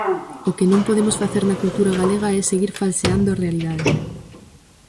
O que non podemos facer na cultura galega é seguir falseando a realidade.